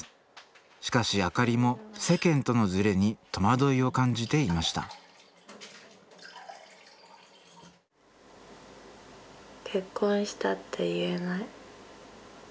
しかし明里も世間とのズレに戸惑いを感じていました結婚したって言えない。